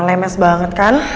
lemes banget kan